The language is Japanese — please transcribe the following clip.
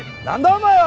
お前は！